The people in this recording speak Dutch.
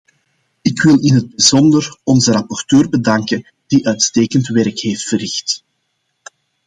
Ik wil in het bijzonder onze rapporteur bedanken die uitstekend werk heeft verricht.